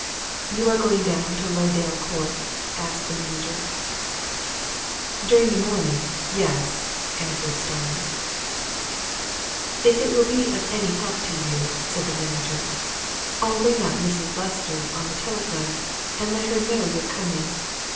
"You are going down to Lowdale Court?" asked the manager. "During the morning yes," answered Starmidge. "If it will be any help to you," said the manager, "I'll ring up Mrs. Lester on the telephone, and let her know you're coming.